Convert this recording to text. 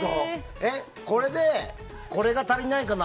これで、これが足りないかな